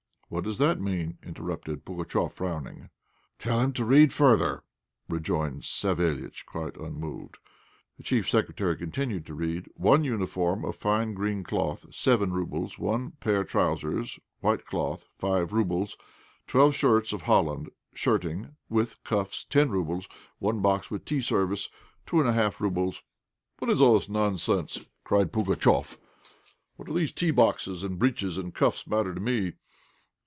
"What does that mean?" interrupted Pugatchéf, frowning. "Tell him to read further," rejoined Savéliitch, quite unmoved. The Chief Secretary continued to read "One uniform of fine green cloth, seven roubles; one pair trousers, white cloth, five roubles; twelve shirts of Holland shirting, with cuffs, ten roubles; one box with tea service, two and a half roubles." "What is all this nonsense?" cried Pugatchéf. "What do these tea boxes and breeches with cuffs matter to me?"